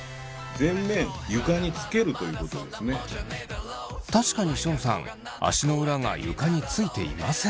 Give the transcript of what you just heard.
確かにションさん足の裏が床についていません。